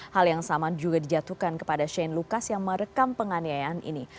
hal yang sama juga dijatuhkan kepada shane lucas yang merekam penganiayaan ini